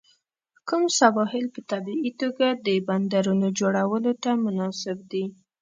کوم سواحل په طبیعي توګه د بندرونو جوړولو ته مناسب دي؟